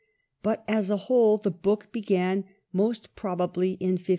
But as a whole the book be gan most probably in 1544.